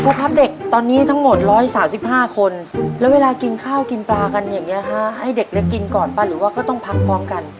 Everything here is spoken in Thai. ครับเด็กตอนนี้ทั้งหมด๑๓๕คนแล้วเวลากินข้าวกินปลากันอย่างนี้ฮะให้เด็กเล็กกินก่อนป่ะหรือว่าก็ต้องพักพร้อมกัน